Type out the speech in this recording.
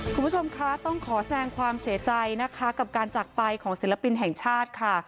คุณผู้ชมคะต้องขอแสงความเสียใจนะคะกับการจักรไปของศิลปินแห่งชาติค่ะ